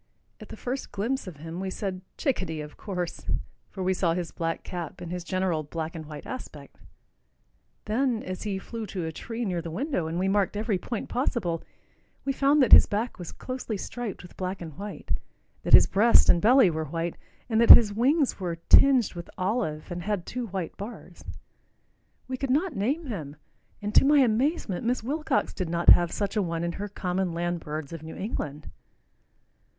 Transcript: At the first glimpse of him we said, "Chickadee, of course," for we saw his black cap and his general black and white aspect. Then as he flew to a tree near the window, and we marked every point possible, we found that his back was closely striped with black and white, that his breast and belly were white, and that his wings were tinged with olive and had two white bars. We could not name him, and to my amazement Miss Wilcox did not have such a one in her "Common Land Birds of New England."